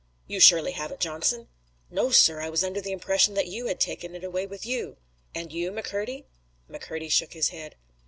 "You surely have it, Johnson?" "No, sir, I was under the impression that you had taken it away with you." "And you, McCurdy?" McCurdy shook his head.